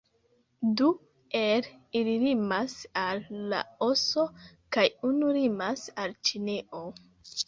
Du el ili limas al Laoso kaj unu limas al Ĉinio.